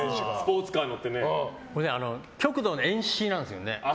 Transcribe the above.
極度の遠視なんですよね。